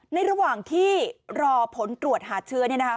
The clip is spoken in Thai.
ระหว่างที่รอผลตรวจหาเชื้อเนี่ยนะคะ